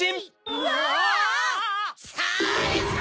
うわ。